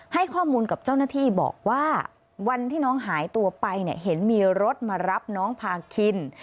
ให้ข้อมูลกับเจ้าหน้าที่บอกว่าวันที่น้องหายตัวไปเนี่ยเห็นมีรถมารับน้องพาคิน